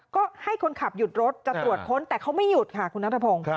ก็ให้คนขับหยุดรถจะตรวจค้นแต่เขาไม่หยุดค่ะคุณนัทพงศ์